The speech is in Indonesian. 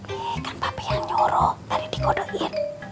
ih kan papi yang nyuruh mari dikodokin